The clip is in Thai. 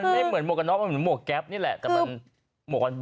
หอยเม่นหนำแหลมแหลม